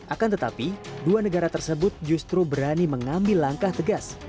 akan tetapi dua negara tersebut justru berani mengambil langkah tegas